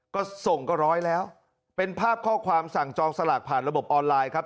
ก็ส่งก็ร้อยแล้วเป็นภาพข้อความสั่งจองสลากผ่านระบบออนไลน์ครับ